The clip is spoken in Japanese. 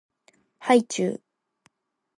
はいちゅう